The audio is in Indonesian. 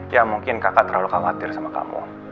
ya mungkin kakak terlalu khawatir sama kamu